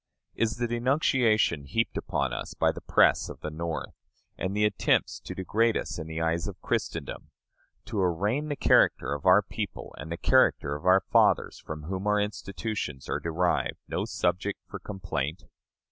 Is the denunciation heaped upon us by the press of the North, and the attempts to degrade us in the eyes of Christendom to arraign the character of our people and the character of our fathers, from whom our institutions are derived no subject for complaint?